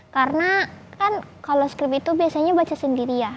karena kan kalau skrip itu biasanya baca sendiri ya